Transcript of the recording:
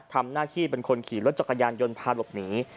ทำหน้าที่เป็นคนขี่รถจักรยานยนต์พาหลบหนี